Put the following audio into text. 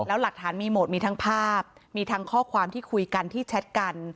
แล้วหลักฐานมีหมดมีทั้งภาพมีทั้งข้อความที่คุยกันที่แชทกัน